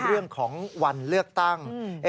เรื่องของวันเลือกตั้ง